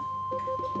kita harus mencari